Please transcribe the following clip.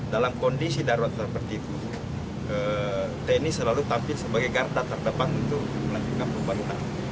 dalam kondisi darurat seperti itu tni selalu tampil sebagai garda terdepan untuk melanjutkan pembangunan